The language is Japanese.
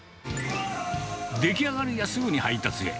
出来上がるとすぐに配達へ。